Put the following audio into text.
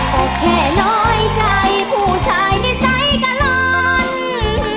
บอกแค่น้อยใจผู้ชายที่ใส่กะลอน